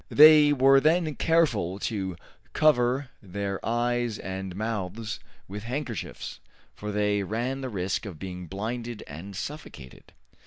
They were then careful to cover their eyes and mouths with handkerchiefs, for they ran the risk of being blinded and suffocated.